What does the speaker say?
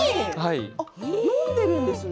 飲んでいるんですね。